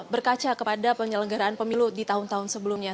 berkaca kepada penyelenggaraan pemilu di tahun tahun sebelumnya